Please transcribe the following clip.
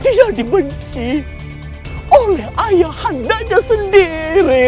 dia dibenci oleh ayah handanya sendiri